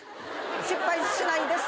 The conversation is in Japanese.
失敗しないです。